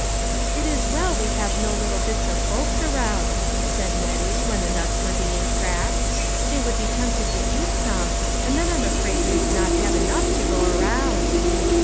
"It is well we have no little bits of folks around," said Nettie, when the nuts were being cracked, " they would be tempted to eat some, and then I'm afraid we would not have enough to go around."